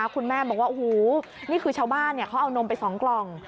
คุณแม่บอกว่าโอ้โหนี่คือชาวบ้านเขาเอานมไป๒กล่อง